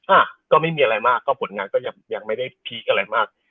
อ่ะก็ไม่มีอะไรมากก็ผลงานก็ยังไม่ได้พีคอะไรมาก